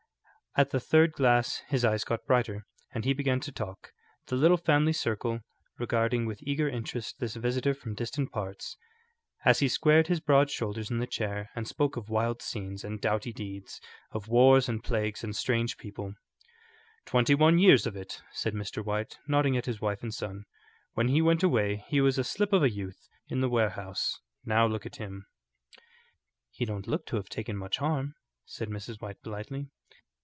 At the third glass his eyes got brighter, and he began to talk, the little family circle regarding with eager interest this visitor from distant parts, as he squared his broad shoulders in the chair and spoke of wild scenes and doughty deeds; of wars and plagues and strange peoples. "Twenty one years of it," said Mr. White, nodding at his wife and son. "When he went away he was a slip of a youth in the warehouse. Now look at him." "He don't look to have taken much harm," said Mrs. White, politely.